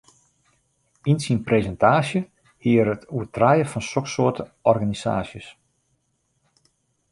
Yn syn presintaasje hie er it oer trije fan soksoarte organisaasjes.